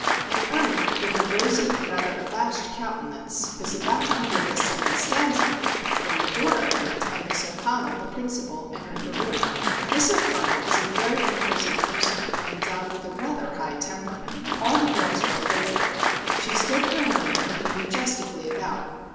And Ernie, with a rosy and rather abashed countenance, was about to begin the second stanza when the door opened and Miss O'Connell, the principal, entered the room. Miss O'Connell is a very imposing person, and endowed with a rather high temper. All the girls are afraid of her. She stood for a moment looking majestically about.